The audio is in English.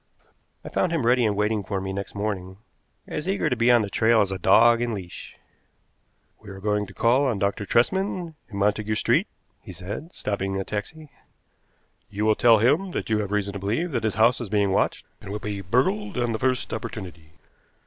I found him ready and waiting for me next morning, as eager to be on the trail as a dog in leash. "We are going to call on Dr. Tresman, in Montagu Street," he said, stopping a taxi. "You will tell him that you have reason to believe that his house is being watched, and will be burgled on the first opportunity.